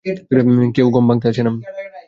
কেউ গম ভাংতে আসে না।